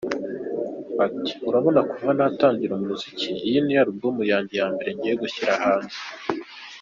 Ati “Urabona kuva natangira umuziki iyi niyo album yanjye ya mbere ngiye gushyira hanze.